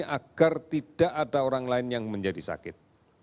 agar tidak ada orang lain yang menjadi sakit